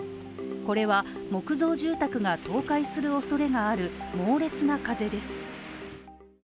これは、木造住宅が倒壊するおそれがある猛烈な風です。